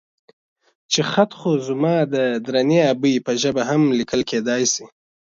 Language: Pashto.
چې خط خو زما د درنې ابۍ په ژبه هم ليکل کېدای شي.